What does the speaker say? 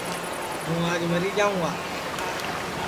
ہوں آج مری جاوں گا